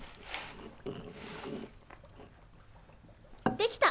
できた！